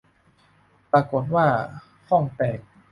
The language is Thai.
ปรากฏว่าข้องแตก